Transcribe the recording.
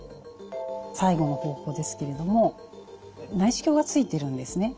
最後の方法ですけれども内視鏡がついてるんですね。